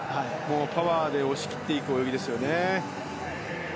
パワーで押し切っていく泳ぎですよね。